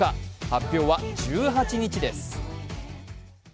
発表は１８日です。